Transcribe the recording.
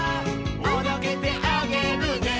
「おどけてあげるね」